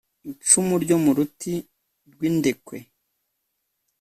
icumu ryo mu ruti rw’ indekwe